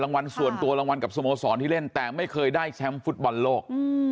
วันส่วนตัวรางวัลกับสโมสรที่เล่นแต่ไม่เคยได้แชมป์ฟุตบอลโลก